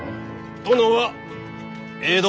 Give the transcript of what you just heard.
殿は江戸。